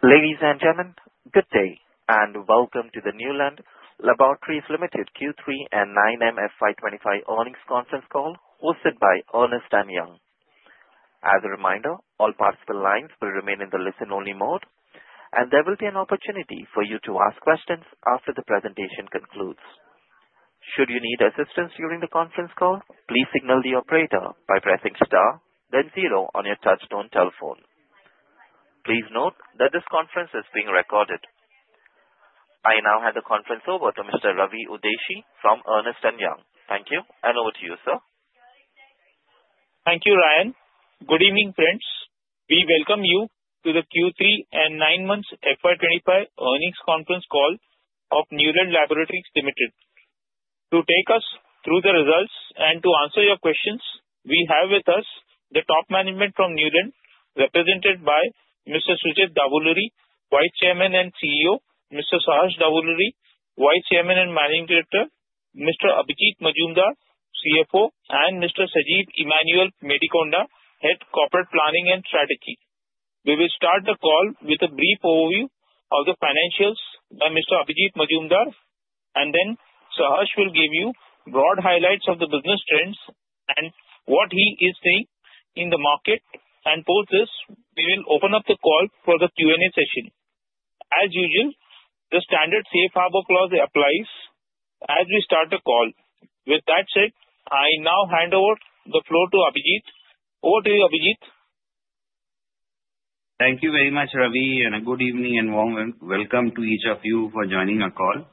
Ladies and gentlemen, good day and welcome to the Neuland Laboratories Limited Q3 and 9M FY25 earnings conference call hosted by Ernst & Young. As a reminder, all participant lines will remain in the listen-only mode, and there will be an opportunity for you to ask questions after the presentation concludes. Should you need assistance during the conference call, please signal the operator by pressing star, then zero on your touch-tone telephone. Please note that this conference is being recorded. I now hand the conference over to Mr. Ravi Udeshi from Ernst & Young. Thank you, and over to you, sir. Thank you, Ryan. Good evening, friends. We welcome you to the Q3 and 9M FY25 earnings conference call of Neuland Laboratories Limited. To take us through the results and to answer your questions, we have with us the top management from Neuland, represented by Mr. Sucheth Davuluri, Vice Chairman and CEO, Mr. Saharsh Davuluri, Vice Chairman and Managing Director, Mr. Abhijit Majumdar, CFO, and Mr. Sajeev Emmanuel Medikonda, Head of Corporate Planning and Strategy. We will start the call with a brief overview of the financials by Mr. Abhijit Majumdar, and then Saharsh will give you broad highlights of the business trends and what he is seeing in the market. And for this, we will open up the call for the Q&A session. As usual, the standard safe harbor clause applies as we start the call. With that said, I now hand over the floor to Abhijit. Over to you, Abhijit. Thank you very much, Ravi, and a good evening and warm welcome to each of you for joining our call.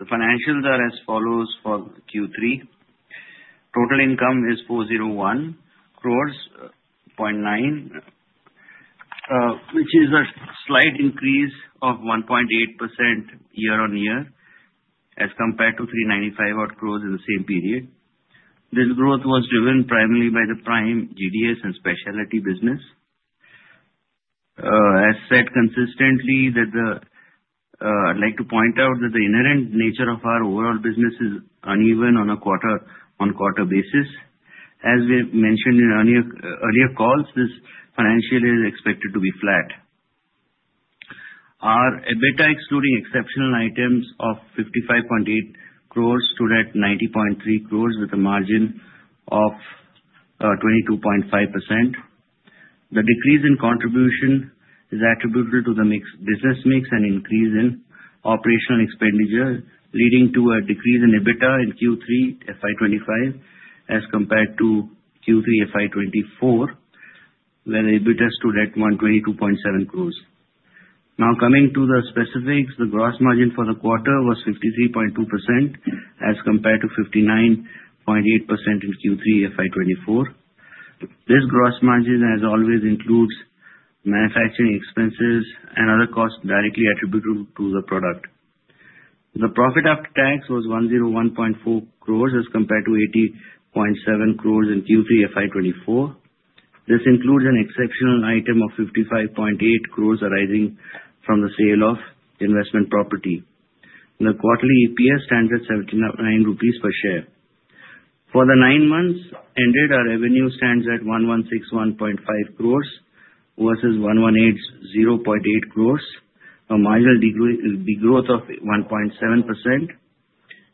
The financials are as follows for Q3. Total income is 401.9, which is a slight increase of 1.8% year-on-year as compared to 395.0 crores in the same period. This growth was driven primarily by the Prime GDS and Specialty business. As said consistently, I'd like to point out that the inherent nature of our overall business is uneven on a quarter-on-quarter basis. As we've mentioned in earlier calls, this financial is expected to be flat. Our EBITDA excluding exceptional items of 55.8 crores stood at 90.3 crores with a margin of 22.5%. The decrease in contribution is attributed to the business mix and increase in operational expenditure, leading to a decrease in EBITDA in Q3 FY25 as compared to Q3 FY24, where EBITDA stood at 122.7 crores. Now coming to the specifics, the gross margin for the quarter was 53.2% as compared to 59.8% in Q3 FY24. This gross margin, as always, includes manufacturing expenses and other costs directly attributed to the product. The profit after tax was 101.4 crores as compared to 80.7 crores in Q3 FY24. This includes an exceptional item of 55.8 crores arising from the sale of investment property. The quarterly EPS stands at 79 rupees per share. For the nine months ended, our revenue stands at 1161.5 crores versus 1180.8 crores, a marginal degrowth of 1.7%.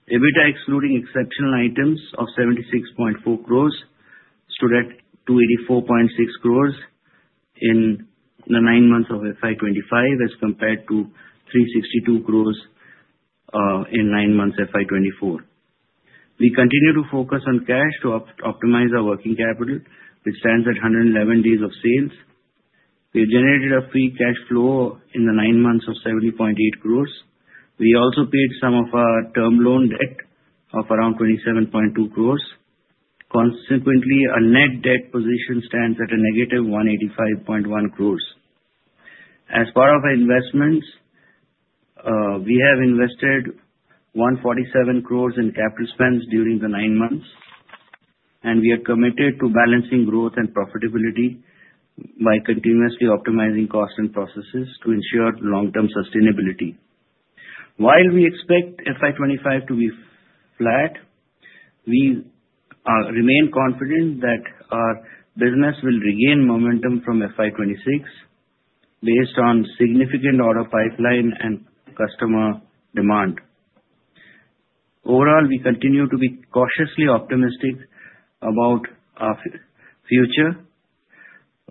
EBITDA excluding exceptional items of 76.4 crores stood at 284.6 crores in the nine months of FY25 as compared to 362 crores in nine months FY24. We continue to focus on cash to optimize our working capital, which stands at 111 days of sales. We generated a free cash flow in the nine months of 70.8 crores. We also paid some of our term loan debt of around 27.2 crores. Consequently, our net debt position stands at a negative 185.1 crores. As part of our investments, we have invested 147 crores in capital spends during the nine months, and we are committed to balancing growth and profitability by continuously optimizing costs and processes to ensure long-term sustainability. While we expect FY25 to be flat, we remain confident that our business will regain momentum from FY26 based on significant order pipeline and customer demand. Overall, we continue to be cautiously optimistic about our future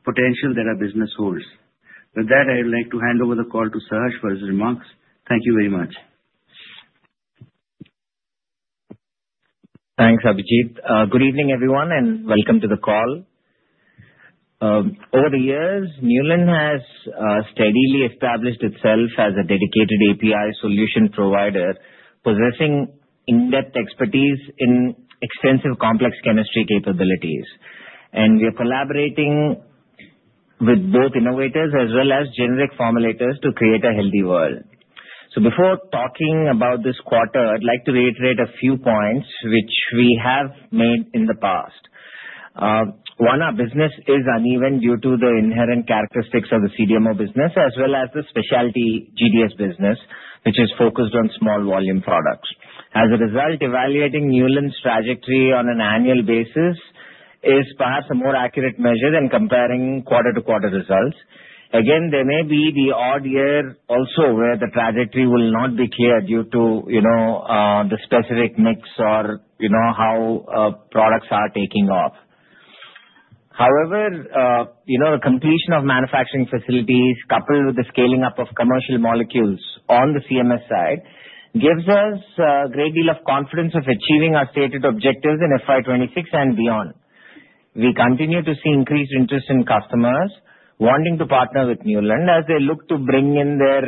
potential that our business holds. With that, I would like to hand over the call to Saharsh for his remarks. Thank you very much. Thanks, Abhijit. Good evening, everyone, and welcome to the call. Over the years, Neuland has steadily established itself as a dedicated API solution provider, possessing in-depth expertise in extensive complex chemistry capabilities, and we are collaborating with both innovators as well as generic formulators to create a healthy world, so before talking about this quarter, I'd like to reiterate a few points which we have made in the past. One, our business is uneven due to the inherent characteristics of the CDMO business as well as the specialty GDS business, which is focused on small volume products. As a result, evaluating Neuland's trajectory on an annual basis is perhaps a more accurate measure than comparing quarter-to-quarter results. Again, there may be the odd year also where the trajectory will not be clear due to the specific mix or how products are taking off. However, the completion of manufacturing facilities coupled with the scaling up of commercial molecules on the CMS side gives us a great deal of confidence of achieving our stated objectives in FY26 and beyond. We continue to see increased interest in customers wanting to partner with Neuland as they look to bring in their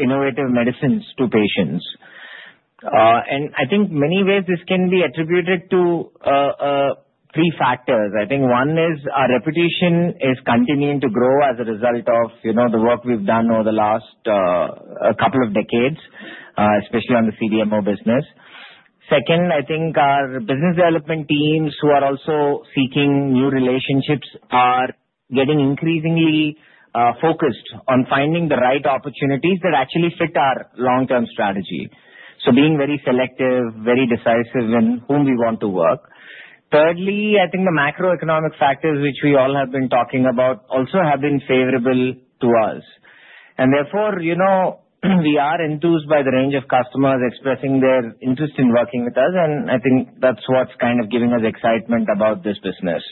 innovative medicines to patients. And I think in many ways, this can be attributed to three factors. I think one is our reputation is continuing to grow as a result of the work we've done over the last couple of decades, especially on the CDMO business. Second, I think our business development teams who are also seeking new relationships are getting increasingly focused on finding the right opportunities that actually fit our long-term strategy. So being very selective, very decisive in whom we want to work. Thirdly, I think the macroeconomic factors which we all have been talking about also have been favorable to us, and therefore, we are enthused by the range of customers expressing their interest in working with us, and I think that's what's kind of giving us excitement about this business.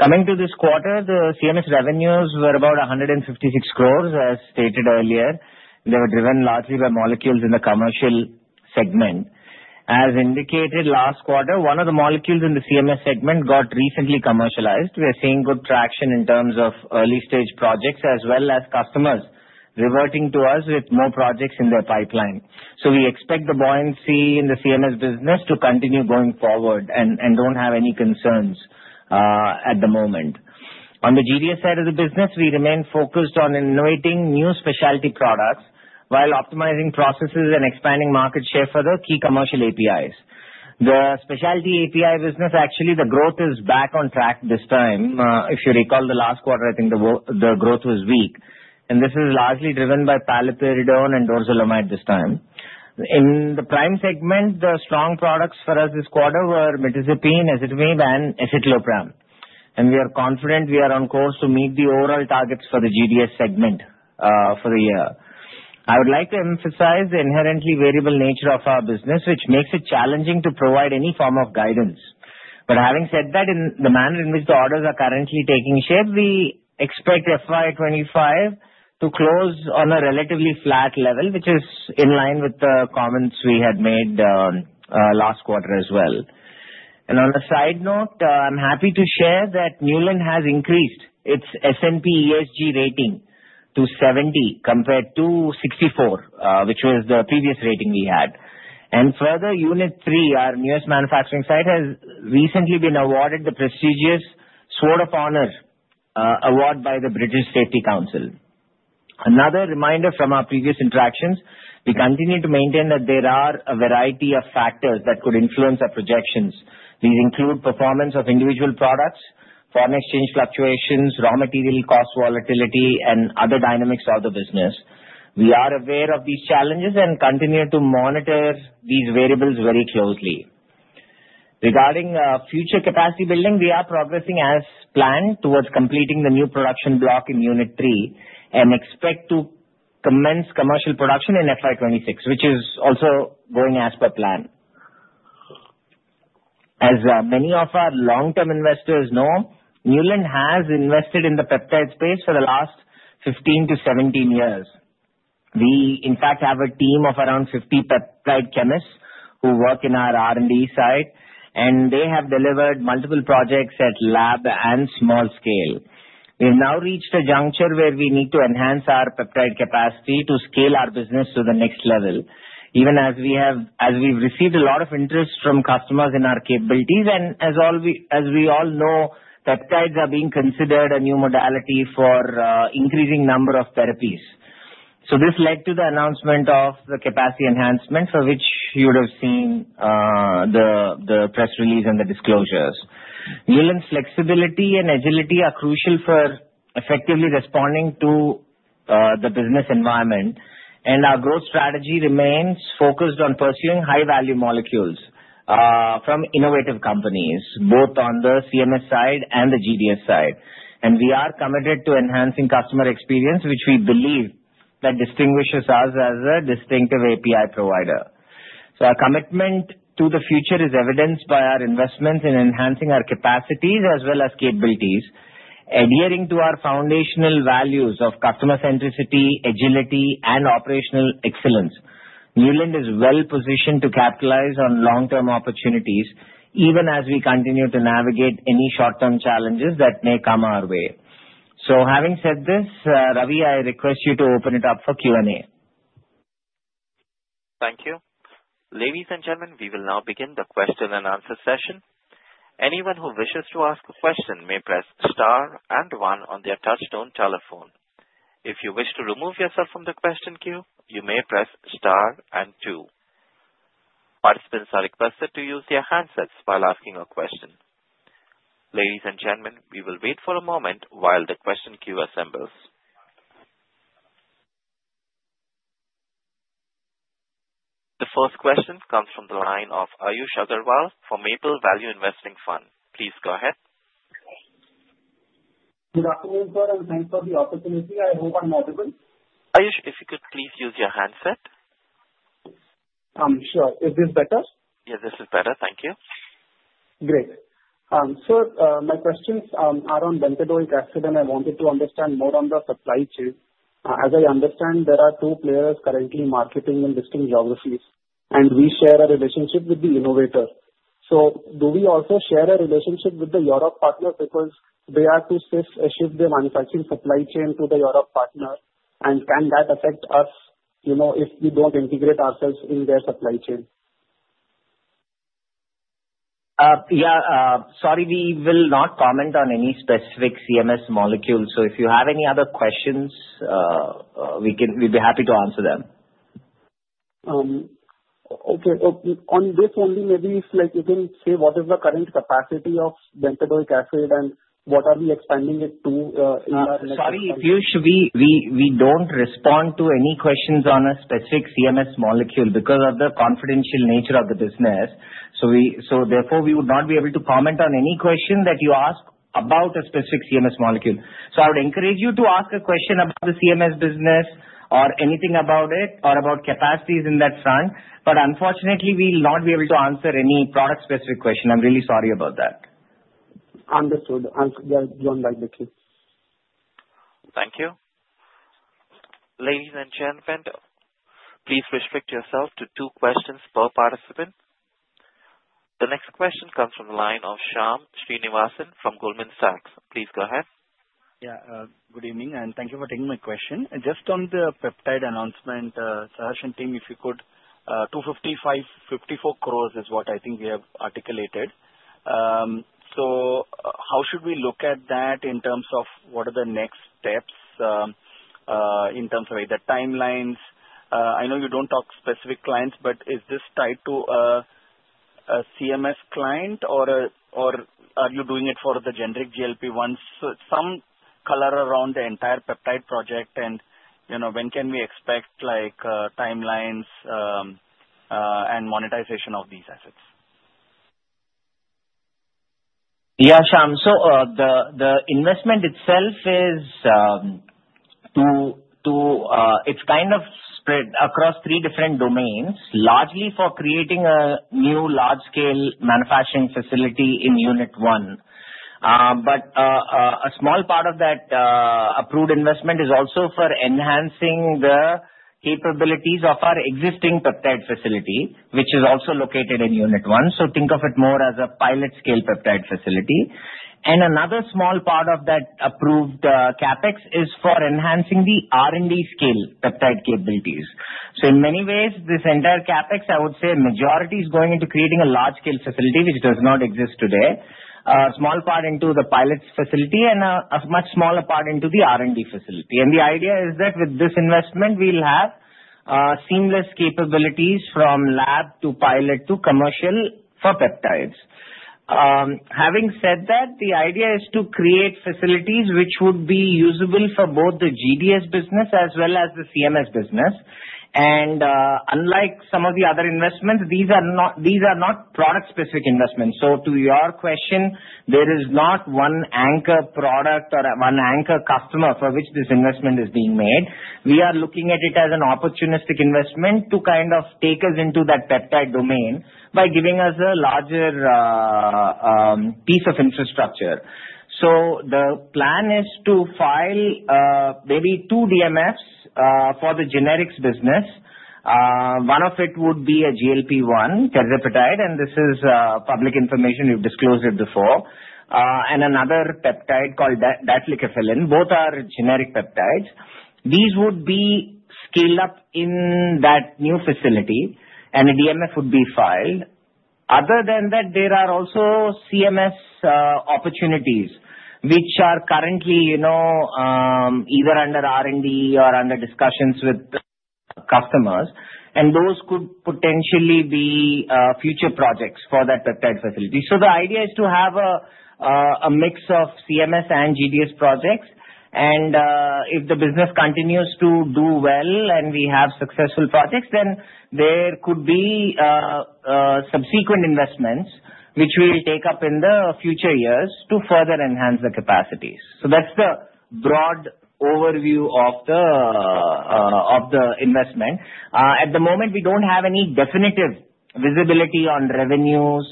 Coming to this quarter, the CMS revenues were about 156 crores, as stated earlier. They were driven largely by molecules in the commercial segment. As indicated last quarter, one of the molecules in the CMS segment got recently commercialized. We are seeing good traction in terms of early-stage projects as well as customers reverting to us with more projects in their pipeline, so we expect the buoyancy in the CMS business to continue going forward and don't have any concerns at the moment. On the GDS side of the business, we remain focused on innovating new specialty products while optimizing processes and expanding market share for the key commercial APIs. The Specialty API business, actually, the growth is back on track this time. If you recall the last quarter, I think the growth was weak. And this is largely driven by paliperidone and dorzolamide this time. In the Prime segment, the strong products for us this quarter were mirtazapine, ezetimibe, and escitalopram. And we are confident we are on course to meet the overall targets for the GDS segment for the year. I would like to emphasize the inherently variable nature of our business, which makes it challenging to provide any form of guidance. But having said that, in the manner in which the orders are currently taking shape, we expect FY25 to close on a relatively flat level, which is in line with the comments we had made last quarter as well. And on a side note, I'm happy to share that Neuland has increased its S&P ESG rating to 70 compared to 64, which was the previous rating we had. And further, Unit 3, our nearest manufacturing site, has recently been awarded the prestigious Sword of Honour award by the British Safety Council. Another reminder from our previous interactions, we continue to maintain that there are a variety of factors that could influence our projections. These include performance of individual products, foreign exchange fluctuations, raw material cost volatility, and other dynamics of the business. We are aware of these challenges and continue to monitor these variables very closely. Regarding future capacity building, we are progressing as planned towards completing the new production block in Unit 3 and expect to commence commercial production in FY26, which is also going as per plan. As many of our long-term investors know, Neuland has invested in the peptide space for the last 15-17 years. We, in fact, have a team of around 50 peptide chemists who work in our R&D side, and they have delivered multiple projects at lab and small scale. We have now reached a juncture where we need to enhance our peptide capacity to scale our business to the next level, even as we've received a lot of interest from customers in our capabilities. And as we all know, peptides are being considered a new modality for an increasing number of therapies. So this led to the announcement of the capacity enhancement for which you would have seen the press release and the disclosures. Neuland's flexibility and agility are crucial for effectively responding to the business environment. And our growth strategy remains focused on pursuing high-value molecules from innovative companies, both on the CMS side and the GDS side. And we are committed to enhancing customer experience, which we believe that distinguishes us as a distinctive API provider. So our commitment to the future is evidenced by our investments in enhancing our capacities as well as capabilities, adhering to our foundational values of customer centricity, agility, and operational excellence. Neuland is well positioned to capitalize on long-term opportunities, even as we continue to navigate any short-term challenges that may come our way. So having said this, Ravi, I request you to open it up for Q&A. Thank you. Ladies and gentlemen, we will now begin the question and answer session. Anyone who wishes to ask a question may press star and one on their touch-tone telephone. If you wish to remove yourself from the question queue, you may press star and two. Participants are requested to use their handsets while asking a question. Ladies and gentlemen, we will wait for a moment while the question queue assembles. The first question comes from the line of Ayush Agarwal for Maple Value Investing Fund. Please go ahead. Good afternoon, sir, and thanks for the opportunity. I hope I'm audible. Ayush, if you could please use your handset. Sure. Is this better? Yeah, this is better. Thank you. Great. Sir, my questions are on bempedoic acid, and I wanted to understand more on the supply chain. As I understand, there are two players currently marketing in distinct geographies, and we share a relationship with the innovator. So do we also share a relationship with the Europe partner because they are to shift their manufacturing supply chain to the Europe partner? And can that affect us if we don't integrate ourselves in their supply chain? Yeah. Sorry, we will not comment on any specific CMS molecules. So if you have any other questions, we'd be happy to answer them. Okay. On this only, maybe if you can say what is the current capacity of bempedoic acid and what are we expanding it to in our next quarter? Sorry, Ayush, we don't respond to any questions on a specific CMS molecule because of the confidential nature of the business. So therefore, we would not be able to comment on any question that you ask about a specific CMS molecule. So I would encourage you to ask a question about the CMS business or anything about it or about capacities in that front. But unfortunately, we will not be able to answer any product-specific question. I'm really sorry about that. Understood. I'll just join the queue. Thank you. Ladies and gentlemen, please restrict yourself to two questions per participant. The next question comes from the line of Shyam Srinivasan from Goldman Sachs. Please go ahead. Yeah. Good evening, and thank you for taking my question. Just on the peptide announcement, Saharsh and team, if you could, 255.54 crores is what I think we have articulated. So how should we look at that in terms of what are the next steps in terms of either timelines? I know you don't talk specific clients, but is this tied to a CMS client, or are you doing it for the generic GLP ones? So some color around the entire peptide project, and when can we expect timelines and monetization of these assets? Yeah, Shyam. So the investment itself is kind of spread across three different domains, largely for creating a new large-scale manufacturing facility in Unit 1. But a small part of that approved investment is also for enhancing the capabilities of our existing peptide facility, which is also located in Unit 1. So think of it more as a pilot-scale peptide facility. And another small part of that approved CapEx is for enhancing the R&D-scale peptide capabilities. So in many ways, this entire CapEx, I would say a majority is going into creating a large-scale facility, which does not exist today. A small part into the pilot facility and a much smaller part into the R&D facility. And the idea is that with this investment, we'll have seamless capabilities from lab to pilot to commercial for peptides. Having said that, the idea is to create facilities which would be usable for both the GDS business as well as the CMS business. And unlike some of the other investments, these are not product-specific investments. So to your question, there is not one anchor product or one anchor customer for which this investment is being made. We are looking at it as an opportunistic investment to kind of take us into that peptide domain by giving us a larger piece of infrastructure. So the plan is to file maybe two DMFs for the generics business. One of it would be a GLP-1, teriparatide, and this is public information. We've disclosed it before. And another peptide called difelikefalin. Both are generic peptides. These would be scaled up in that new facility, and a DMF would be filed. Other than that, there are also CMS opportunities which are currently either under R&D or under discussions with customers, and those could potentially be future projects for that peptide facility, so the idea is to have a mix of CMS and GDS projects, and if the business continues to do well and we have successful projects, then there could be subsequent investments which we will take up in the future years to further enhance the capacities, so that's the broad overview of the investment. At the moment, we don't have any definitive visibility on revenues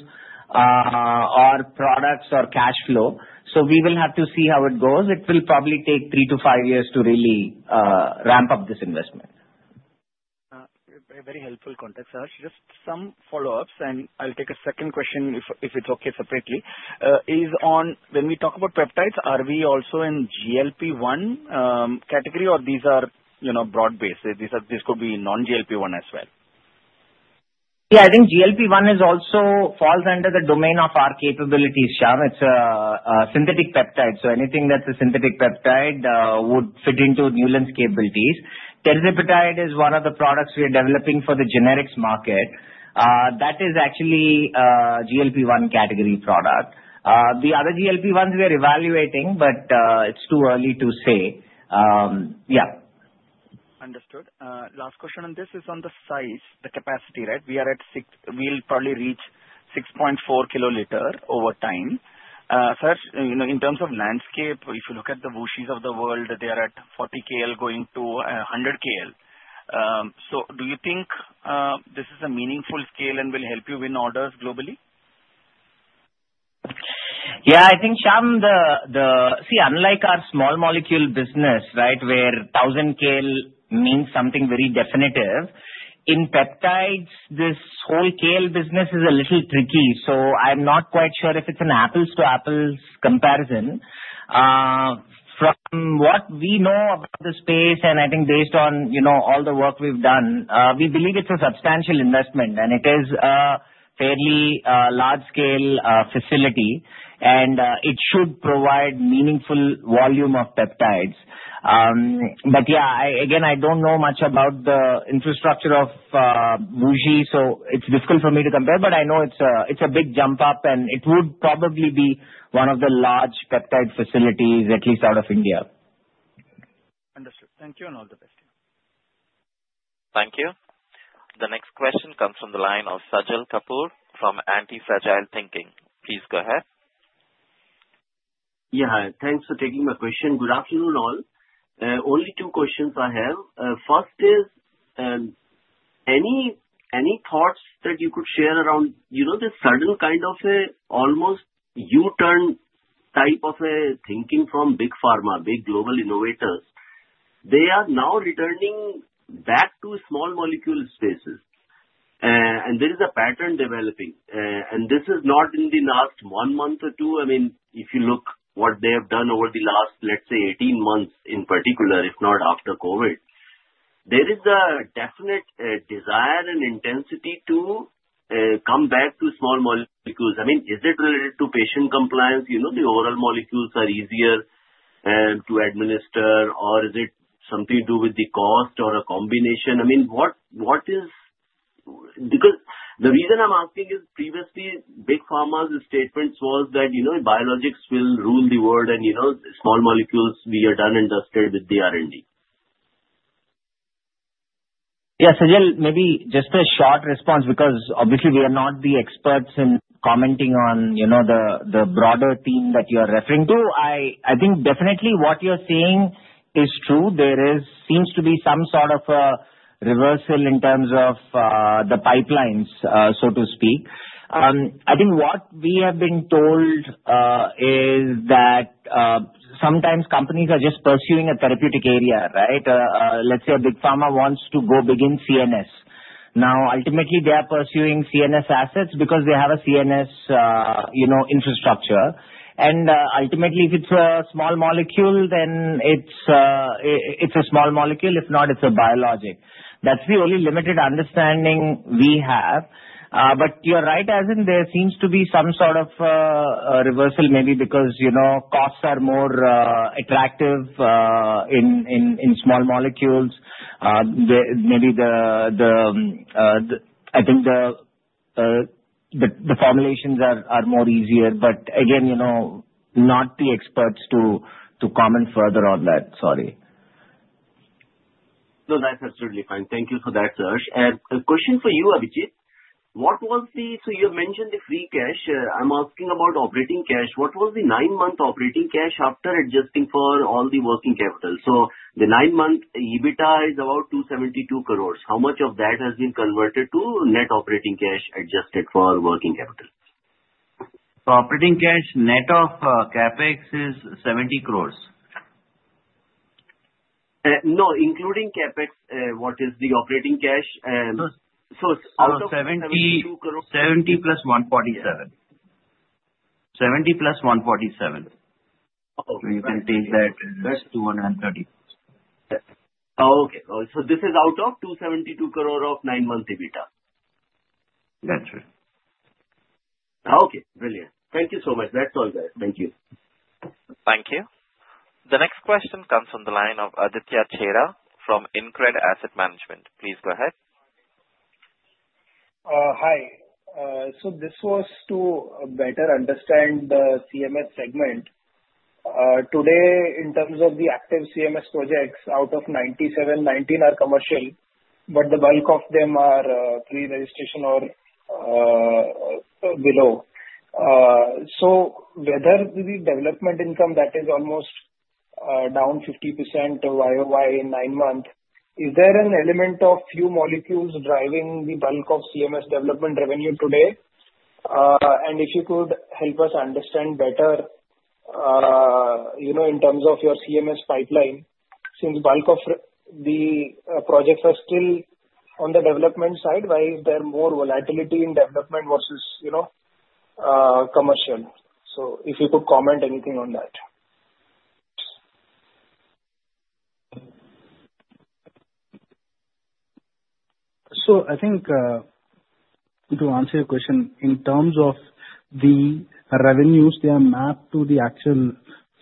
or products or cash flow, so we will have to see how it goes. It will probably take three to five years to really ramp up this investment. Very helpful context, Saharsh. Just some follow-ups, and I'll take a second question if it's okay separately. When we talk about peptides, are we also in GLP-1 category, or these are broad-based? This could be non-GLP-1 as well. Yeah, I think GLP-1 also falls under the domain of our capabilities, Shyam. It's a synthetic peptide. So anything that's a synthetic peptide would fit into Neuland's capabilities. teriparatide is one of the products we are developing for the generics market. That is actually a GLP-1 category product. The other GLP-1s we are evaluating, but it's too early to say. Yeah. Understood. Last question on this is on the size, the capacity, right? We'll probably reach 6.4 kiloliters over time. Saharsh, in terms of landscape, if you look at the WuXi AppTec of the world, they are at 40 KL going to 100 KL. So do you think this is a meaningful scale and will help you win orders globally? Yeah, I think, Shyam, see, unlike our small molecule business, right, where 1,000 KL means something very definitive, in peptides, this whole KL business is a little tricky. So I'm not quite sure if it's an apples-to-apples comparison. From what we know about the space, and I think based on all the work we've done, we believe it's a substantial investment, and it is a fairly large-scale facility, and it should provide meaningful volume of peptides. But yeah, again, I don't know much about the infrastructure of WuXi, so it's difficult for me to compare, but I know it's a big jump up, and it would probably be one of the large peptide facilities, at least out of India. Understood. Thank you, and all the best. Thank you. The next question comes from the line of Sajal Kapoor from Anti-Fragile Thinking. Please go ahead. Yeah, thanks for taking my question. Good afternoon, all. Only two questions I have. First is, any thoughts that you could share around this sudden kind of almost U-turn type of thinking from big pharma, big global innovators? They are now returning back to small molecule spaces, and there is a pattern developing. And this is not in the last one month or two. I mean, if you look at what they have done over the last, let's say, 18 months in particular, if not after COVID, there is a definite desire and intensity to come back to small molecules. I mean, is it related to patient compliance? The oral molecules are easier to administer, or is it something to do with the cost or a combination? I mean, what is the reason I'm asking is previously big pharma's statements was that biologics will rule the world, and small molecules, we are done and dusted with the R&D. Yeah, Sajjal, maybe just a short response because obviously, we are not the experts in commenting on the broader theme that you are referring to. I think definitely what you're saying is true. There seems to be some sort of a reversal in terms of the pipelines, so to speak. I think what we have been told is that sometimes companies are just pursuing a therapeutic area, right? Let's say a big pharma wants to go big on CMS. Now, ultimately, they are pursuing CMS assets because they have a CMS infrastructure. And ultimately, if it's a small molecule, then it's a small molecule. If not, it's a biologic. That's the only limited understanding we have. But you're right, as in there seems to be some sort of reversal maybe because costs are more attractive in small molecules. Maybe I think the formulations are more easier, but again, not the experts to comment further on that. Sorry. No, that's absolutely fine. Thank you for that, Saharsh. And a question for you, Abhijit. So you have mentioned the free cash. I'm asking about operating cash. What was the nine-month operating cash after adjusting for all the working capital? So the nine-month EBITDA is about 272 crores. How much of that has been converted to net operating cash adjusted for working capital? Operating cash net of CAPEX is 70 crores. No, including CAPEX, what is the operating cash? 70 plus 147. So you can take that as 230. Okay. So this is out of 272 crores of nine-month EBITDA? That's right. Okay. Brilliant. Thank you so much. That's all, guys. Thank you. Thank you. The next question comes from the line of Aditya Khemka from InCred Asset Management. Please go ahead. Hi. So this was to better understand the CMS segment. Today, in terms of the active CMS projects, out of 97, 19 are commercial, but the bulk of them are pre-registration or below. So whether the development income, that is almost down 50% YOY in nine months, is there an element of few molecules driving the bulk of CMS development revenue today? And if you could help us understand better in terms of your CMS pipeline, since bulk of the projects are still on the development side, why is there more volatility in development versus commercial? So if you could comment anything on that. So I think to answer your question, in terms of the revenues, they are mapped to the actual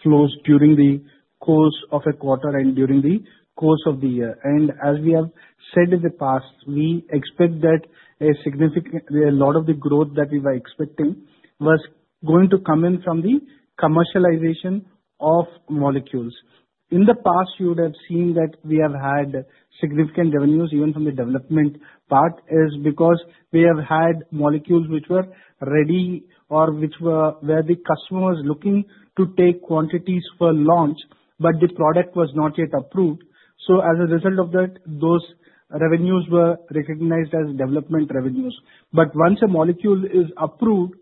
flows during the course of a quarter and during the course of the year. And as we have said in the past, we expect that a lot of the growth that we were expecting was going to come in from the commercialization of molecules. In the past, you would have seen that we have had significant revenues even from the development part because we have had molecules which were ready or where the customer was looking to take quantities for launch, but the product was not yet approved. So as a result of that, those revenues were recognized as development revenues. But once a molecule is approved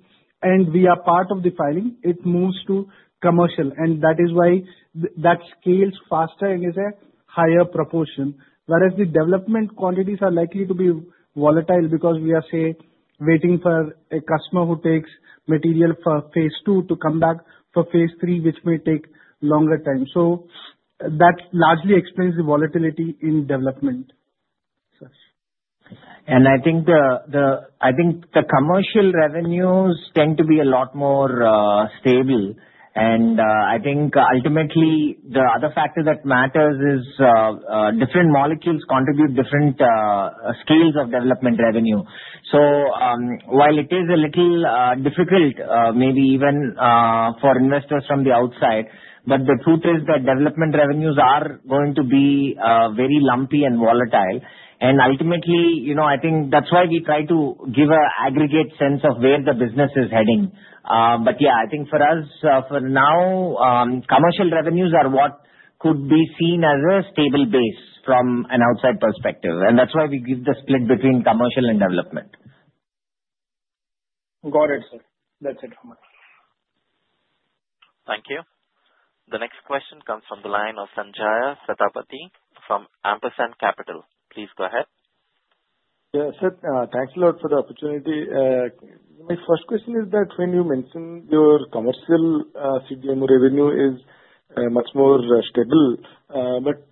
and we are part of the filing, it moves to commercial. And that is why that scales faster and is a higher proportion, whereas the development quantities are likely to be volatile because we are, say, waiting for a customer who takes material for phase two to come back for phase three, which may take longer time. So that largely explains the volatility in development. And I think the commercial revenues tend to be a lot more stable. And I think ultimately, the other factor that matters is different molecules contribute different scales of development revenue. So while it is a little difficult, maybe even for investors from the outside, but the truth is that development revenues are going to be very lumpy and volatile. And ultimately, I think that's why we try to give an aggregate sense of where the business is heading. But yeah, I think for us, for now, commercial revenues are what could be seen as a stable base from an outside perspective. And that's why we give the split between commercial and development. Got it, sir. That's it from me. Thank you. The next question comes from the line of Sanjay Satapathy from Ampersand Capital. Please go ahead. Yeah, sir, thanks a lot for the opportunity. My first question is that when you mentioned your commercial CDMO revenue is much more stable, but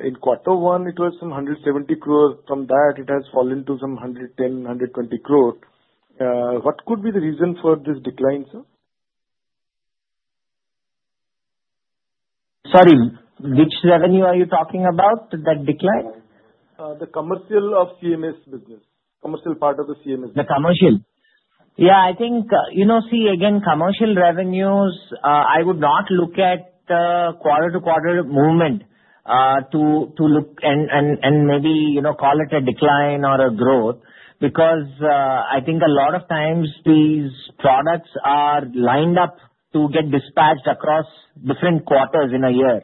in quarter one, it was some 170 crores. From that, it has fallen to some 110-120 crores. What could be the reason for this decline, sir? Sorry, which revenue are you talking about, that decline? The commercial part of the CMS business. The commercial? Yeah, I think, see, again, commercial revenues, I would not look at quarter-to-quarter movement to look and maybe call it a decline or a growth because I think a lot of times these products are lined up to get dispatched across different quarters in a year.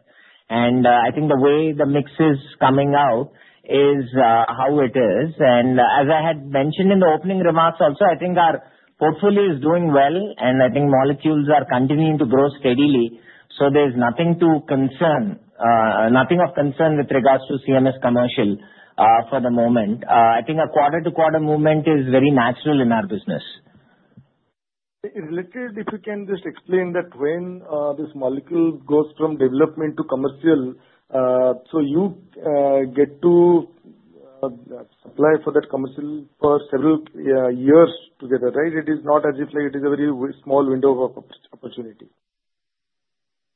And I think the way the mix is coming out is how it is. And as I had mentioned in the opening remarks also, I think our portfolio is doing well, and I think molecules are continuing to grow steadily. So there's nothing to concern, nothing of concern with regards to CMS commercial for the moment. I think a quarter-to-quarter movement is very natural in our business. It's a little bit if you can just explain that when this molecule goes from development to commercial, so you get to apply for that commercial for several years together, right? It is not as if it is a very small window of opportunity.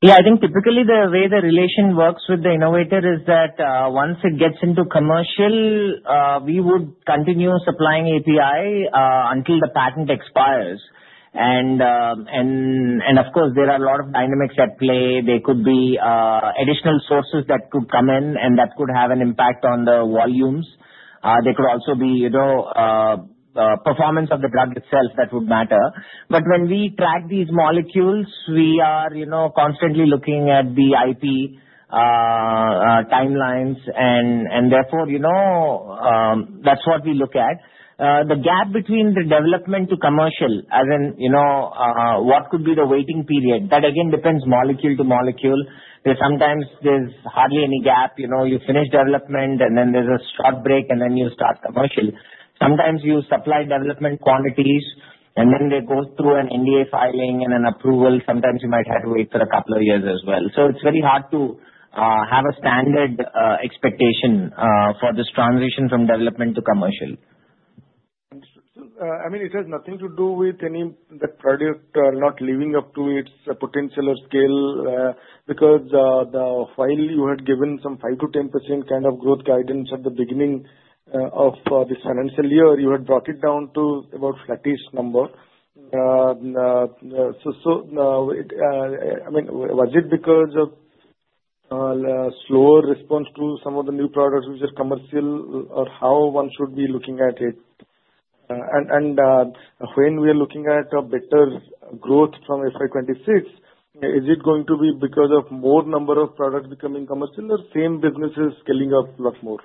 Yeah, I think typically the way the relationship works with the innovator is that once it gets into commercial, we would continue supplying API until the patent expires. And of course, there are a lot of dynamics at play. There could be additional sources that could come in, and that could have an impact on the volumes. There could also be performance of the drug itself that would matter. But when we track these molecules, we are constantly looking at the IP timelines, and therefore, that's what we look at. The gap between the development to commercial, as in what could be the waiting period, that again depends molecule to molecule. Sometimes there's hardly any gap. You finish development, and then there's a short break, and then you start commercial. Sometimes you supply development quantities, and then they go through an NDA filing and an approval. Sometimes you might have to wait for a couple of years as well, so it's very hard to have a standard expectation for this transition from development to commercial. I mean, it has nothing to do with the product not living up to its potential or scale because the FY you had given some 5%-10% kind of growth guidance at the beginning of this financial year. You had brought it down to about flatish number. So I mean, was it because of slower response to some of the new products which are commercial, or how one should be looking at it? And when we are looking at a better growth from FY26, is it going to be because of more number of products becoming commercial or same businesses scaling up a lot more?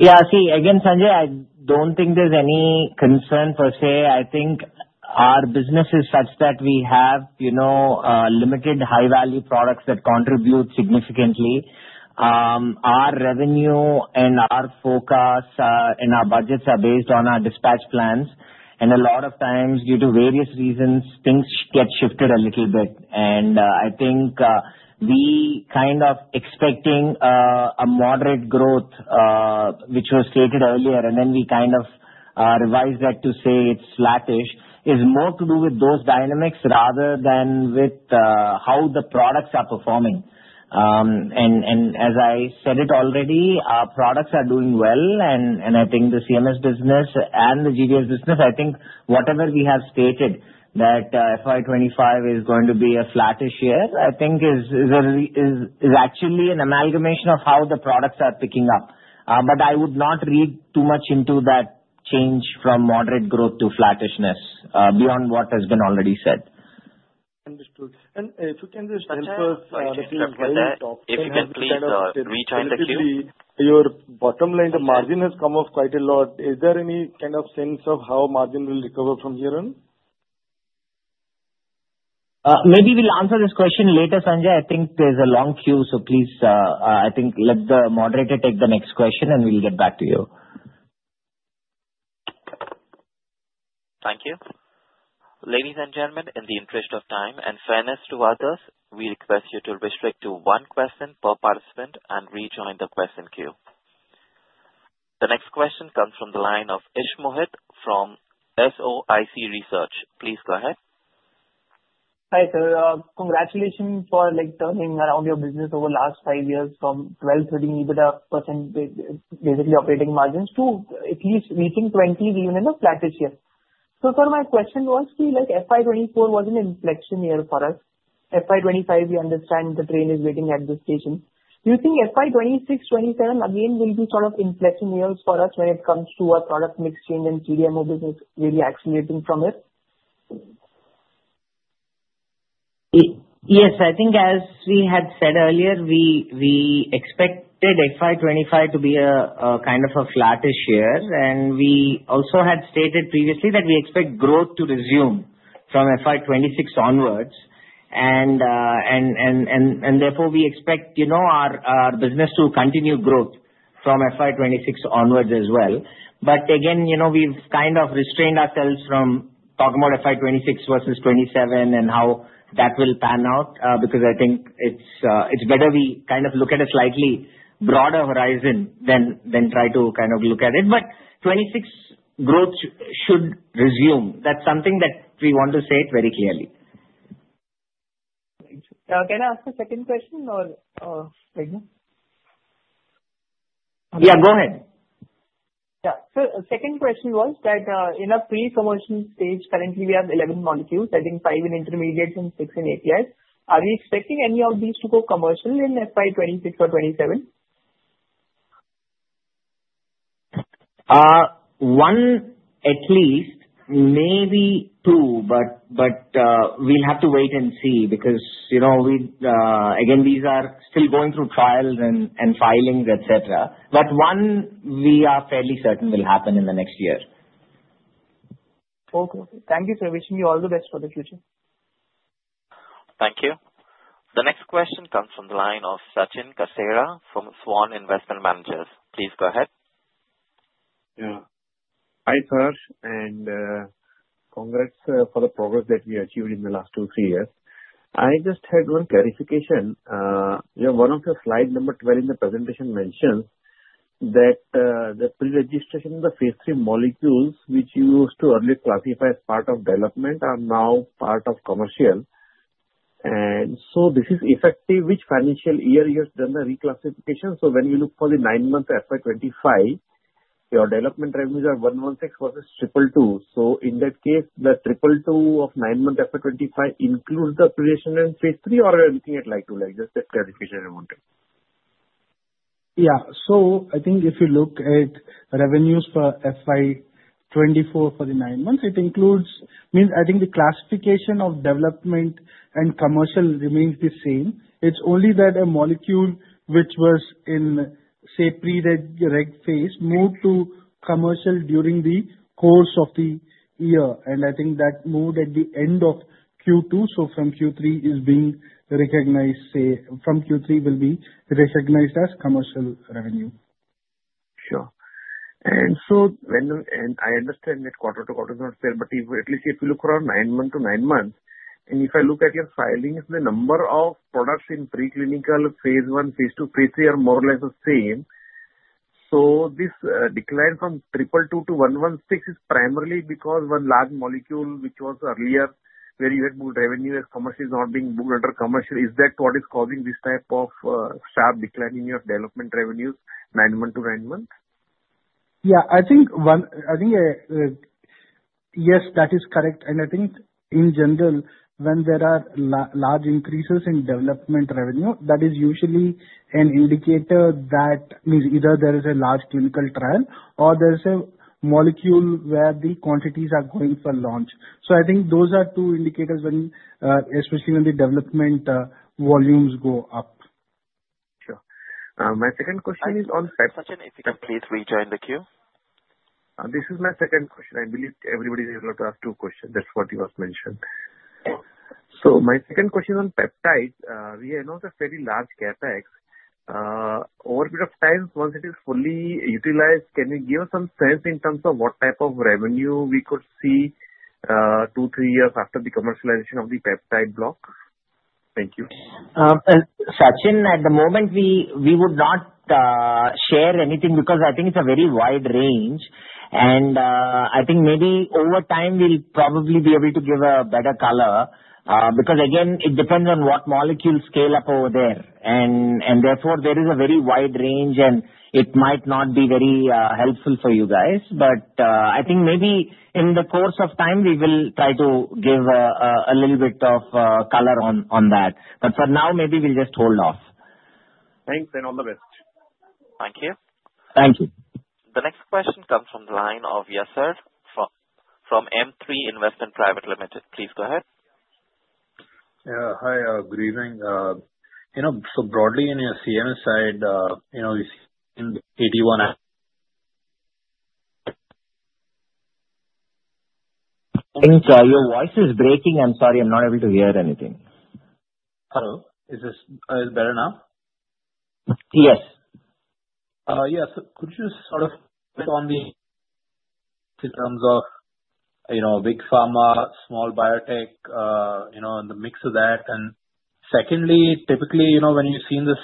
Yeah, see, again, Sanjay, I don't think there's any concern per se. I think our business is such that we have limited high-value products that contribute significantly. Our revenue and our forecasts and our budgets are based on our dispatch plans. And a lot of times, due to various reasons, things get shifted a little bit. And I think we kind of expecting a moderate growth, which was stated earlier, and then we kind of revised that to say it's flatish, is more to do with those dynamics rather than with how the products are performing. And as I said it already, our products are doing well, and I think the CMS business and the GDS business, I think whatever we have stated that FY25 is going to be a flatish year, I think is actually an amalgamation of how the products are picking up. But I would not read too much into that change from moderate growth to flattishness beyond what has been already said. Understood, and if you can just help us. If you can please reach out the queue. Your bottom line, the margin has come up quite a lot. Is there any kind of sense of how margin will recover from here on? Maybe we'll answer this question later, Sanjay. I think there's a long queue, so please, I think let the moderator take the next question, and we'll get back to you. Thank you. Ladies and gentlemen, in the interest of time and fairness to others, we request you to restrict to one question per participant and rejoin the question queue. The next question comes from the line of Ishmohit from SOIC Research. Please go ahead. Hi, sir. Congratulations for turning around your business over the last five years from 12%-13% EBITDA basically operating margins to at least reaching 20% even in a flatish year. So, sir, my question was, see, FY24 was an inflection year for us. FY25, we understand the train is waiting at this station. Do you think FY26, FY27 again will be sort of inflection years for us when it comes to our product mix change and CDMO business really accelerating from it? Yes, I think as we had said earlier, we expected FY25 to be a kind of a flattish year. And we also had stated previously that we expect growth to resume from FY26 onwards. And therefore, we expect our business to continue growth from FY26 onwards as well. But again, we've kind of restrained ourselves from talking about FY26 versus 27 and how that will pan out because I think it's better we kind of look at a slightly broader horizon than try to kind of look at it. But 26, growth should resume. That's something that we want to say it very clearly. Can I ask a second question or? Yeah, go ahead. Yeah. So second question was that in a pre-commercial stage, currently we have 11 molecules, I think five in intermediates and six in APIs. Are we expecting any of these to go commercial in FY26 or 27? One at least, maybe two, but we'll have to wait and see because again, these are still going through trials and filings, etc. But one we are fairly certain will happen in the next year. Okay. Thank you, sir. Wishing you all the best for the future. Thank you. The next question comes from the line of Sachin Kasera from Swan Investment Managers. Please go ahead. Yeah. Hi sir, and congrats for the progress that we achieved in the last two, three years. I just had one clarification. One of your slide number 12 in the presentation mentions that the pre-registration of the phase three molecules, which you used to early classify as part of development, are now part of commercial. And so this is effective, which financial year you have done the reclassification. So when we look for the nine-month FY25, your development revenues are 116 versus 232. So in that case, the 232 of nine-month FY25 includes the pre-registration in phase three or anything? Is it like to like? Just a clarification I wanted. Yeah. So I think if you look at revenues for FY24 for the nine months, it includes I think the classification of development and commercial remains the same. It's only that a molecule which was in, say, pre-reg phase moved to commercial during the course of the year. And I think that moved at the end of Q2, so from Q3 is being recognized, say, from Q3 will be recognized as commercial revenue. Sure. I understand that quarter to quarter is not fair, but at least if you look around nine month to nine months, and if I look at your filing, if the number of products in preclinical phase one, phase two, phase three are more or less the same, so this decline from triple two to 116 is primarily because one large molecule which was earlier where you had booked revenue as commercial is not being booked under commercial. Is that what is causing this type of sharp decline in your development revenues nine month to nine months? Yeah. I think yes, that is correct. And I think in general, when there are large increases in development revenue, that is usually an indicator that means either there is a large clinical trial or there is a molecule where the quantities are going for launch. So I think those are two indicators, especially when the development volumes go up. Sure. My second question is on. Please rejoin the queue. This is my second question. I believe everybody is able to ask two questions. That's what you have mentioned. So my second question on peptides, we announced a fairly large CapEx. Over a period of time, once it is fully utilized, can you give us some sense in terms of what type of revenue we could see two, three years after the commercialization of the peptide block? Thank you. Sachin, at the moment, we would not share anything because I think it's a very wide range. And I think maybe over time, we'll probably be able to give a better color because again, it depends on what molecules scale up over there. And therefore, there is a very wide range, and it might not be very helpful for you guys. But I think maybe in the course of time, we will try to give a little bit of color on that. But for now, maybe we'll just hold off. Thanks, and all the best. Thank you. Thank you. The next question comes from the line of Yasser from M3 Investment Private Limited. Please go ahead. Yeah. Hi, good evening. So broadly in your CMS side, we've seen 81. I'm sorry, your voice is breaking. I'm sorry, I'm not able to hear anything. Hello? Is this better now? Yes. Yeah. So could you sort of put on the in terms of big pharma, small biotech, the mix of that? And secondly, typically when you've seen this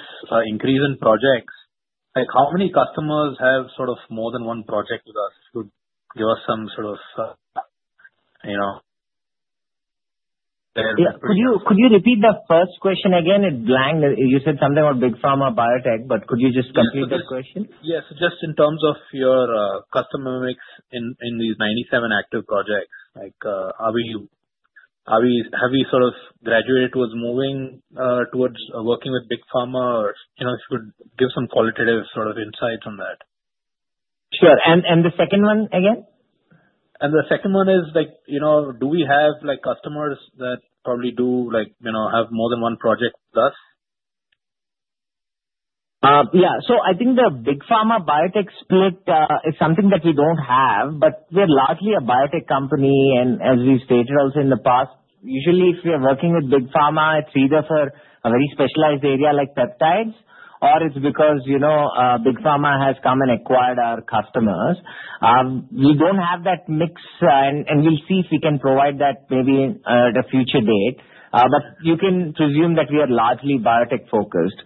increase in projects, how many customers have sort of more than one project with us? Could you give us some sort of? Could you repeat that first question again? It blanked. You said something about big pharma, biotech, but could you just complete that question? Yeah. So just in terms of your customer mix in these 97 active projects, have we sort of graduated towards moving towards working with big pharma? If you could give some qualitative sort of insights on that. Sure. And the second one again? The second one is, do we have customers that probably do have more than one project with us? Yeah. So I think the big pharma biotech split is something that we don't have, but we're largely a biotech company. And as we stated also in the past, usually if we are working with big pharma, it's either for a very specialized area like peptides or it's because big pharma has come and acquired our customers. We don't have that mix, and we'll see if we can provide that maybe at a future date. But you can presume that we are largely biotech-focused.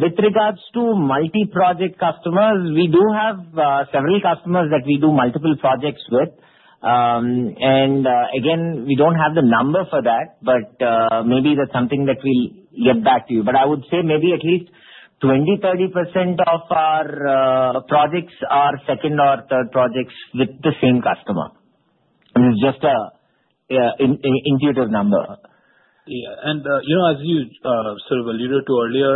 With regards to multi-project customers, we do have several customers that we do multiple projects with. And again, we don't have the number for that, but maybe that's something that we'll get back to you. But I would say maybe at least 20%-30% of our projects are second or third projects with the same customer. It's just an intuitive number. Yeah. And as you sort of alluded to earlier,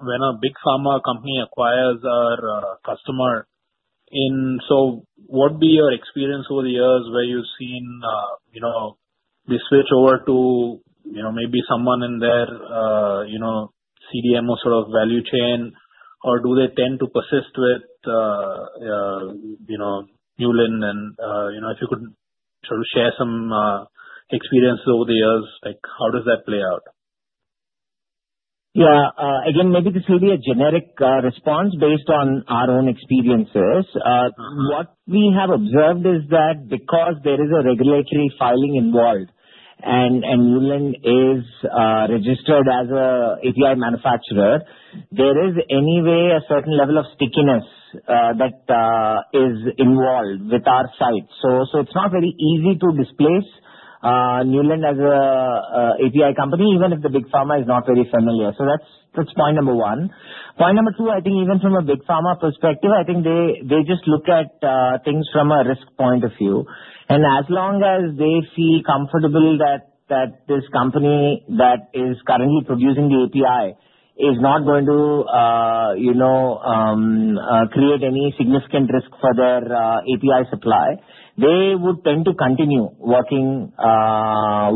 when a big pharma company acquires our customer, so what would be your experience over the years where you've seen they switch over to maybe someone in their CDMO sort of value chain, or do they tend to persist with Neuland? And if you could sort of share some experiences over the years, how does that play out? Yeah. Again, maybe this will be a generic response based on our own experiences. What we have observed is that because there is a regulatory filing involved and Neuland is registered as an API manufacturer, there is anyway a certain level of stickiness that is involved with our site. So it's not very easy to displace Neuland as an API company, even if the big pharma is not very familiar. So that's point number one. Point number two, I think even from a big pharma perspective, I think they just look at things from a risk point of view. And as long as they feel comfortable that this company that is currently producing the API is not going to create any significant risk for their API supply, they would tend to continue working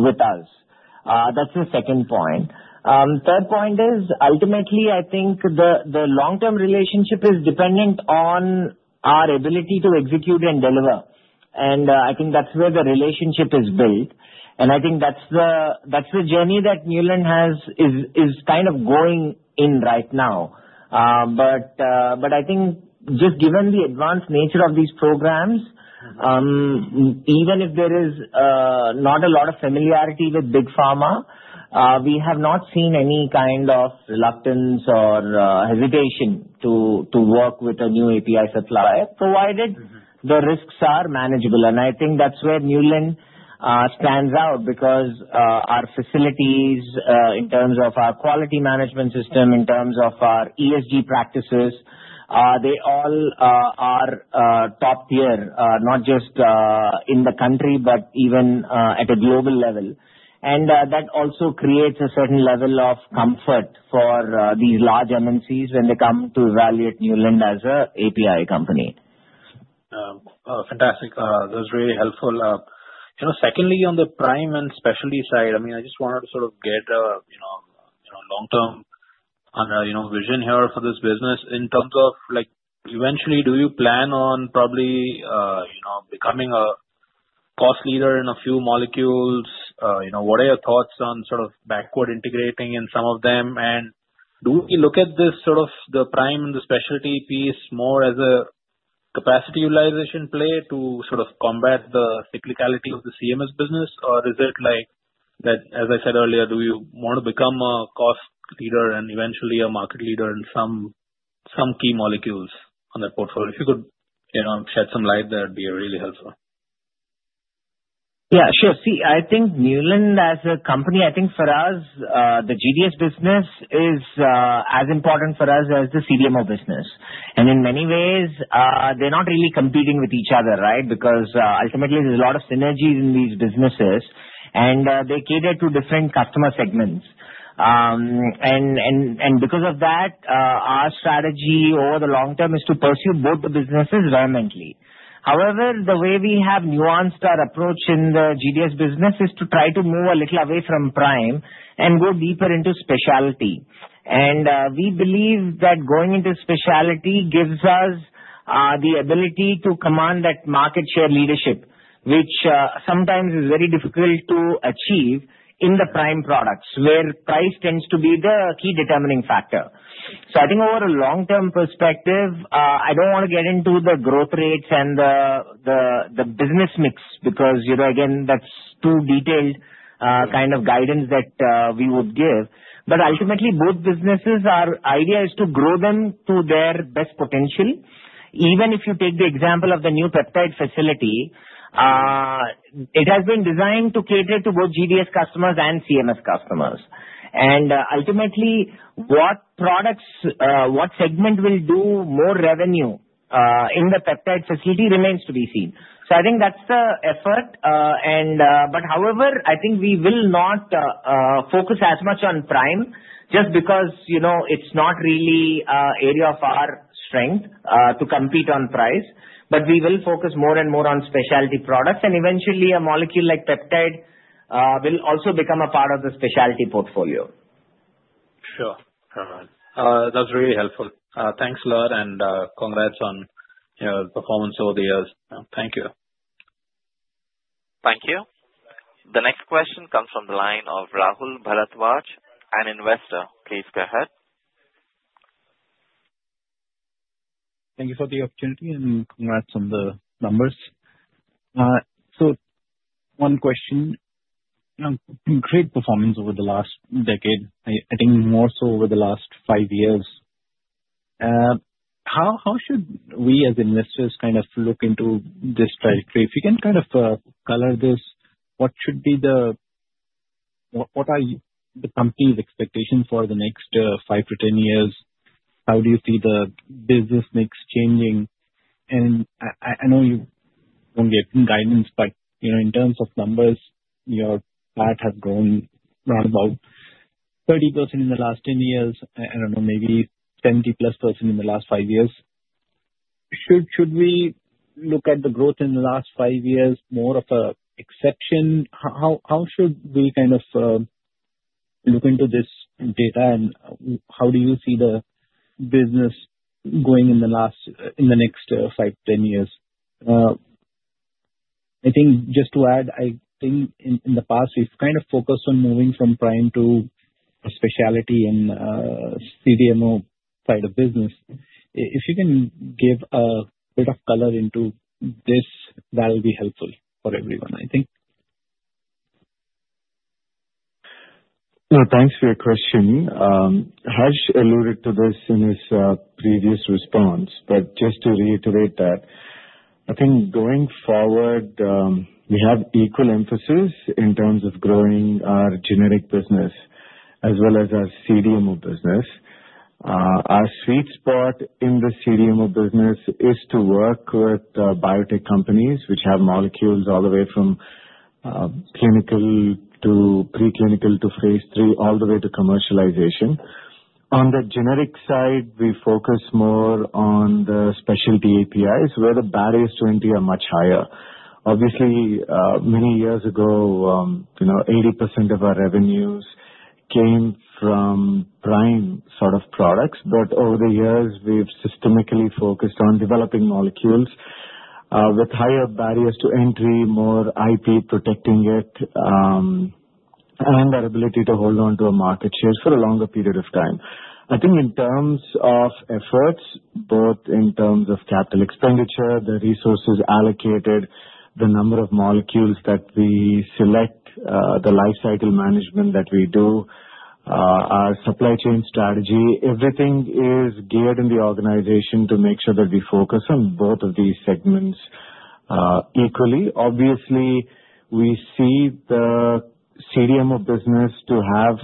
with us. That's the second point. Third point is, ultimately, I think the long-term relationship is dependent on our ability to execute and deliver. And I think that's where the relationship is built. And I think that's the journey that Neuland is kind of going in right now. But I think just given the advanced nature of these programs, even if there is not a lot of familiarity with big pharma, we have not seen any kind of reluctance or hesitation to work with a new API supplier provided the risks are manageable. And I think that's where Neuland stands out because our facilities in terms of our quality management system, in terms of our ESG practices, they all are top tier, not just in the country, but even at a global level. And that also creates a certain level of comfort for these large MNCs when they come to evaluate Neuland as an API company. Oh, fantastic. That was really helpful. Secondly, on the generic and specialty side, I mean, I just wanted to sort of get a long-term vision here for this business. In terms of eventually, do you plan on probably becoming a cost leader in a few molecules? What are your thoughts on sort of backward integrating in some of them? And do we look at this sort of the generic and the specialty piece more as a capacity utilization play to sort of combat the cyclicality of the CMS business? Or is it like, as I said earlier, do you want to become a cost leader and eventually a market leader in some key molecules on that portfolio? If you could shed some light, that would be really helpful. Yeah, sure. See, I think Neuland as a company, I think for us, the GDS business is as important for us as the CDMO business. And in many ways, they're not really competing with each other, right? Because ultimately, there's a lot of synergies in these businesses, and they cater to different customer segments. And because of that, our strategy over the long term is to pursue both the businesses in parallel. However, the way we have nuanced our approach in the GDS business is to try to move a little away from prime and go deeper into specialty. And we believe that going into specialty gives us the ability to command that market share leadership, which sometimes is very difficult to achieve in the prime products where price tends to be the key determining factor. So I think over a long-term perspective, I don't want to get into the growth rates and the business mix because, again, that's too detailed kind of guidance that we would give. But ultimately, both businesses' idea is to grow them to their best potential. Even if you take the example of the new peptide facility, it has been designed to cater to both GDS customers and CMS customers. And ultimately, what products, what segment will do more revenue in the peptide facility remains to be seen. So I think that's the effort. But however, I think we will not focus as much on generics just because it's not really an area of our strength to compete on price. But we will focus more and more on specialty products. And eventually, a molecule like peptide will also become a part of the specialty portfolio. Sure. That's really helpful. Thanks, Ler, and congrats on your performance over the years. Thank you. Thank you. The next question comes from the line of Rahul Bhardwaj, an investor. Please go ahead. Thank you for the opportunity and congrats on the numbers. So one question. Great performance over the last decade, I think more so over the last five years. How should we as investors kind of look into this trajectory? If you can kind of color this, what should be the what are the company's expectations for the next five to 10 years? How do you see the business mix changing? And I know you won't get guidance, but in terms of numbers, your part has grown around about 30% in the last 10 years. I don't know, maybe 70-plus% in the last five years. Should we look at the growth in the last five years more of an exception? How should we kind of look into this data? And how do you see the business going in the next five to 10 years? I think just to add, I think in the past, we've kind of focused on moving from prime to specialty and CDMO side of business. If you can give a bit of color into this, that will be helpful for everyone, I think. Thanks for your question. Harsh alluded to this in his previous response, but just to reiterate that, I think going forward, we have equal emphasis in terms of growing our generic business as well as our CDMO business. Our sweet spot in the CDMO business is to work with biotech companies which have molecules all the way from preclinical to clinical to phase three, all the way to commercialization. On the generic side, we focus more on the specialty APIs where the barriers to entry are much higher. Obviously, many years ago, 80% of our revenues came from prime sort of products. But over the years, we've systematically focused on developing molecules with higher barriers to entry, more IP protecting it, and our ability to hold on to a market share for a longer period of time. I think in terms of efforts, both in terms of CAPEX, the resources allocated, the number of molecules that we select, the life cycle management that we do, our supply chain strategy, everything is geared in the organization to make sure that we focus on both of these segments equally. Obviously, we see the CDMO business to have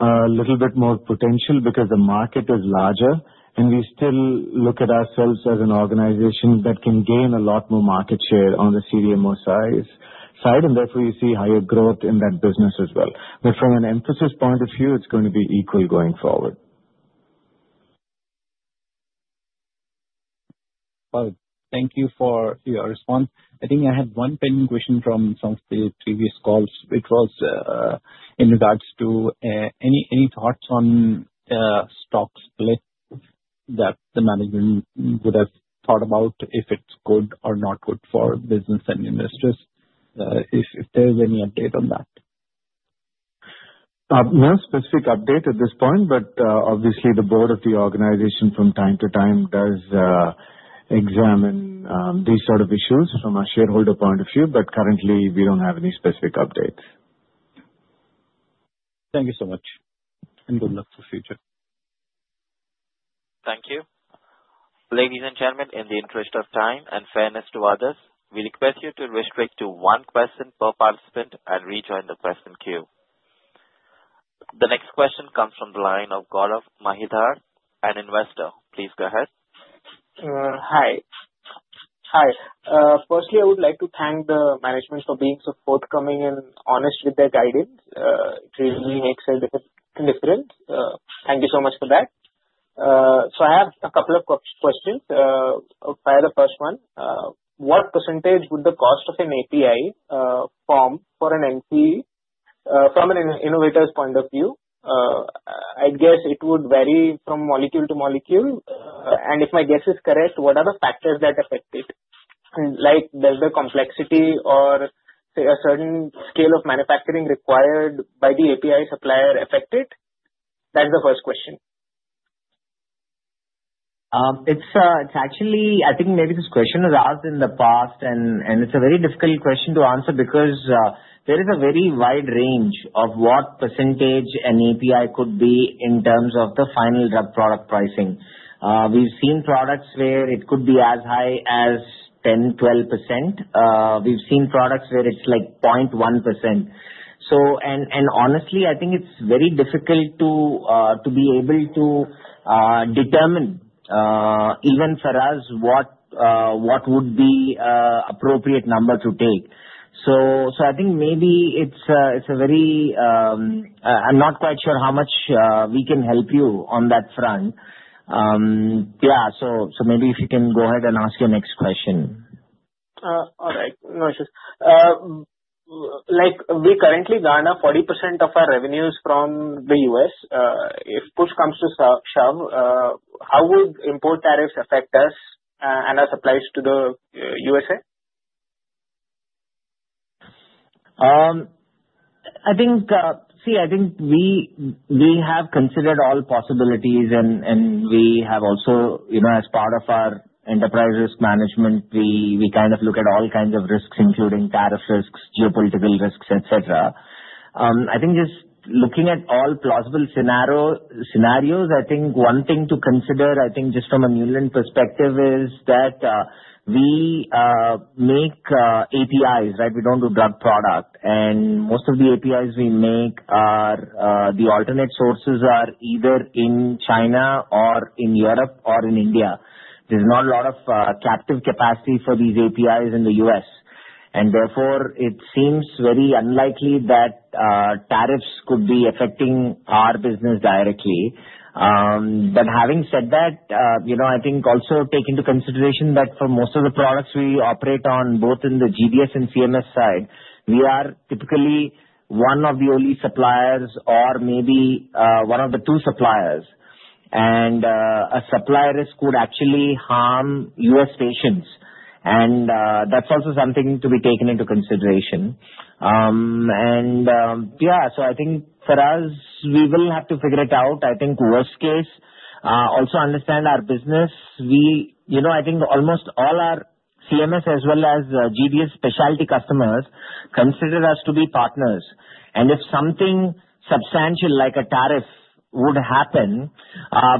a little bit more potential because the market is larger, and we still look at ourselves as an organization that can gain a lot more market share on the CDMO side, and therefore, you see higher growth in that business as well, but from an emphasis point of view, it's going to be equal going forward. Thank you for your response. I think I had one pending question from some of the previous calls. It was in regards to any thoughts on stock split that the management would have thought about if it's good or not good for business and investors, if there's any update on that. No specific update at this point, but obviously, the board of the organization from time to time does examine these sort of issues from a shareholder point of view. But currently, we don't have any specific updates. Thank you so much, and good luck for the future. Thank you. Ladies and gentlemen, in the interest of time and fairness to others, we request you to restrict to one question per participant and rejoin the question queue. The next question comes from the line of Gaurav Mahidhar, an investor. Please go ahead. Hi. Hi. Firstly, I would like to thank the management for being so forthcoming and honest with their guidance. It really makes a difference. Thank you so much for that. So I have a couple of questions. I'll fire the first one. What percentage would the cost of an API form for an NCE from an innovator's point of view? I'd guess it would vary from molecule to molecule. And if my guess is correct, what are the factors that affect it? Does the complexity or a certain scale of manufacturing required by the API supplier affect it? That's the first question. It's actually, I think maybe this question was asked in the past, and it's a very difficult question to answer because there is a very wide range of what percentage an API could be in terms of the final drug product pricing. We've seen products where it could be as high as 10-12%. We've seen products where it's like 0.1%. And honestly, I think it's very difficult to be able to determine even for us what would be an appropriate number to take. So I think maybe it's a very, I'm not quite sure how much we can help you on that front. Yeah. So maybe if you can go ahead and ask your next question. All right. No issues. We currently garner 40% of our revenues from the U.S. If push comes to shove, how would import tariffs affect us and our supplies to the USA? See, I think we have considered all possibilities, and we have also, as part of our enterprise risk management, we kind of look at all kinds of risks, including tariff risks, geopolitical risks, etc. I think just looking at all plausible scenarios, I think one thing to consider, I think just from a Neuland perspective, is that we make APIs, right? We don't do drug product. And most of the APIs we make are the alternate sources are either in China or in Europe or in India. There's not a lot of captive capacity for these APIs in the U.S. And therefore, it seems very unlikely that tariffs could be affecting our business directly. But having said that, I think also take into consideration that for most of the products we operate on, both in the GDS and CMS side, we are typically one of the only suppliers or maybe one of the two suppliers. And a supply risk would actually harm US patients. And that's also something to be taken into consideration. And yeah, so I think for us, we will have to figure it out. I think worst case, also understand our business. I think almost all our CMS as well as GDS specialty customers consider us to be partners. And if something substantial like a tariff would happen,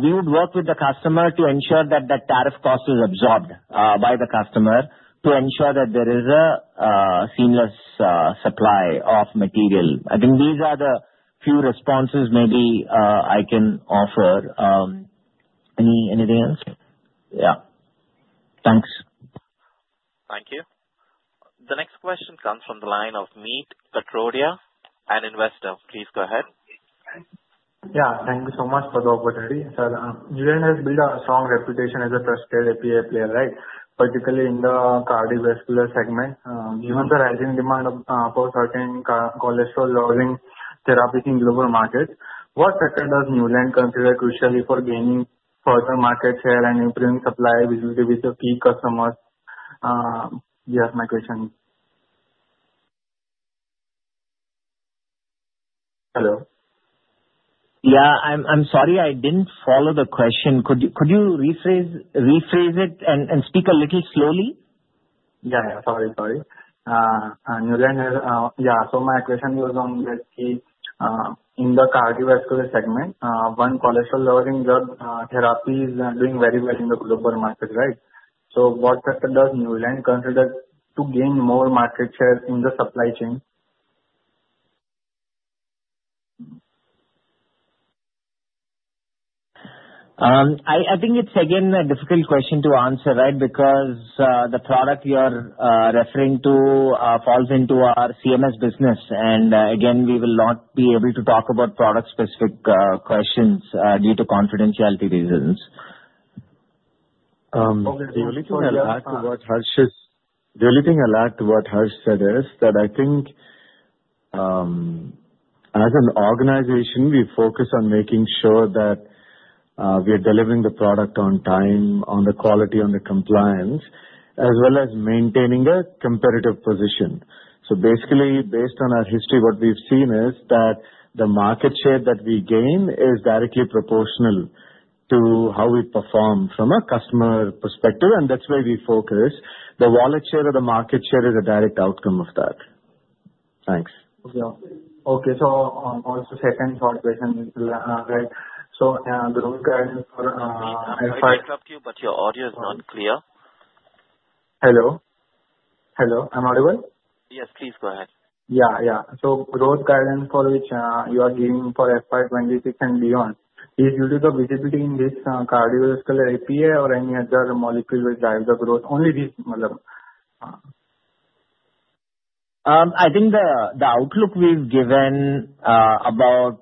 we would work with the customer to ensure that that tariff cost is absorbed by the customer to ensure that there is a seamless supply of material. I think these are the few responses maybe I can offer. Anything else? Yeah. Thanks. Thank you. The next question comes from the line of Meet Patodia, an investor. Please go ahead. Yeah. Thank you so much for the opportunity. So Neuland has built a strong reputation as a trusted API player, right? Particularly in the cardiovascular segment, given the rising demand for certain cholesterol-lowering therapies in global markets. What factor does Neuland consider crucial for gaining further market share and improving supply visibility with the key customers? Yeah, my question. Hello. Yeah. I'm sorry. I didn't follow the question. Could you rephrase it and speak a little slowly? Sorry. So my question was on the key win in the cardiovascular segment. One cholesterol-lowering drug therapy is doing very well in the global market, right? So what factor does Neuland consider to gain more market share in the supply chain? I think it's, again, a difficult question to answer, right? Because the product you're referring to falls into our CMS business. And again, we will not be able to talk about product-specific questions due to confidentiality reasons. Okay. The only thing I'll add to what Harsh said is that I think as an organization, we focus on making sure that we are delivering the product on time, on the quality, on the compliance, as well as maintaining a competitive position. So basically, based on our history, what we've seen is that the market share that we gain is directly proportional to how we perform from a customer perspective. And that's where we focus. The wallet share or the market share is a direct outcome of that. Thanks. Okay. So also second short question, right? So the revenue guidance for FY25. I can interrupt you, but your audio is not clear. Hello? I'm audible? Yes. Please go ahead. Yeah. So, growth guidance for which you are giving for FY26 and beyond, is it due to the visibility in this cardiovascular API or any other molecules driving growth? Only this, Madam. I think the outlook we've given about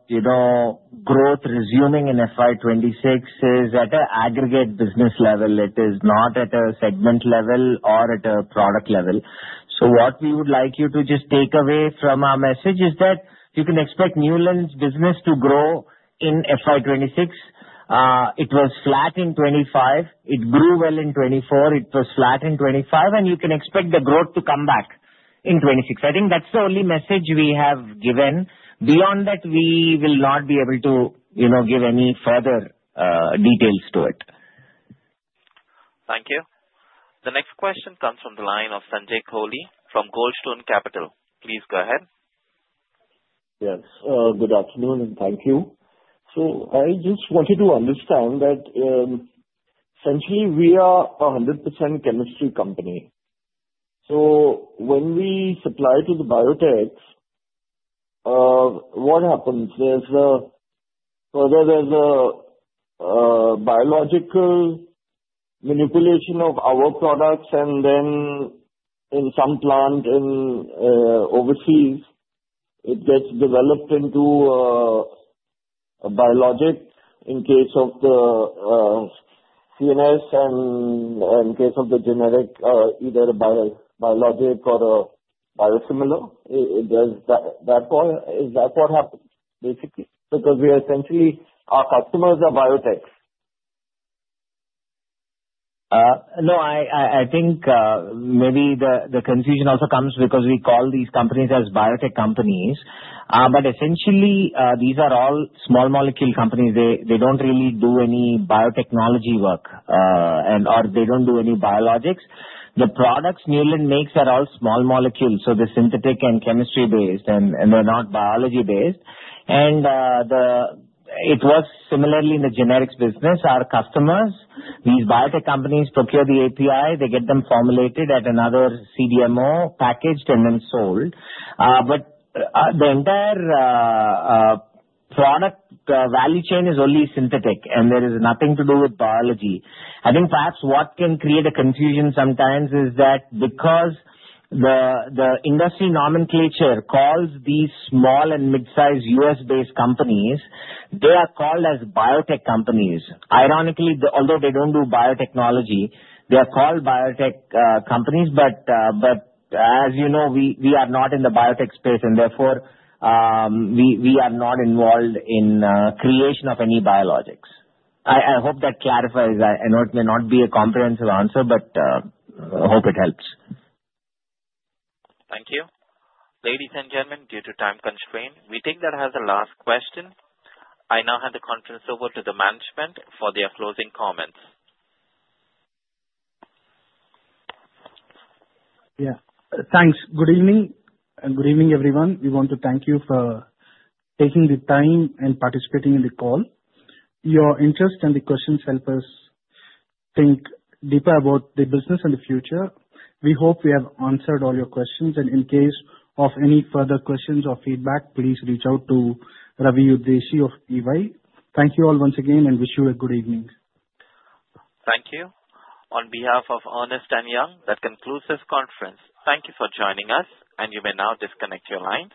growth resuming in FY26 is at an aggregate business level. It is not at a segment level or at a product level. So what we would like you to just take away from our message is that you can expect Neuland's business to grow in FY26. It was flat in 2025. It grew well in 2024. It was flat in 2025. And you can expect the growth to come back in 2026. I think that's the only message we have given. Beyond that, we will not be able to give any further details to it. Thank you. The next question comes from the line of Sanjay Kohli from Goldstone Capital. Please go ahead. Yes. Good afternoon and thank you. So I just wanted to understand that essentially, we are a 100% chemistry company. So when we supply to the biotech, what happens? Whether there's a biological manipulation of our products and then in some plant overseas, it gets developed into a biologic in case of the CMS and in case of the generic, either a biologic or a biosimilar. Is that what happens, basically? Because essentially, our customers are biotech. No, I think maybe the confusion also comes because we call these companies as biotech companies. But essentially, these are all small molecule companies. They don't really do any biotechnology work, or they don't do any biologics. The products Neuland makes are all small molecules. So they're synthetic and chemistry-based, and they're not biology-based. And it works similarly in the generics business. Our customers, these biotech companies procure the API. They get them formulated at another CDMO, packaged, and then sold. But the entire product value chain is only synthetic, and there is nothing to do with biology. I think perhaps what can create a confusion sometimes is that because the industry nomenclature calls these small and mid-size US-based companies, they are called as biotech companies. Ironically, although they don't do biotechnology, they are called biotech companies. But as you know, we are not in the biotech space, and therefore, we are not involved in the creation of any biologics. I hope that clarifies. I know it may not be a comprehensive answer, but I hope it helps. Thank you. Ladies and gentlemen, due to time constraint, we take that as a last question. I now hand the conference over to the management for their closing comments. Yeah. Thanks. Good evening and good evening, everyone. We want to thank you for taking the time and participating in the call. Your interest and the questions help us think deeper about the business and the future. We hope we have answered all your questions and in case of any further questions or feedback, please reach out to Ravi Udeshi of EY. Thank you all once again and wish you a good evening. Thank you. On behalf of Ernst & Young, that concludes this conference. Thank you for joining us, and you may now disconnect your line.